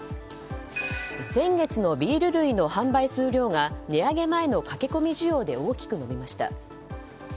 先月のビール類の意販売数量が値上げ前の駆け込み需要で大きく伸びました。